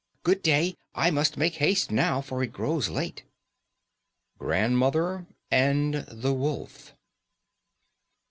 "Good day; I must make haste now, for it grows late." _GRANDMOTHER AND THE WOLF.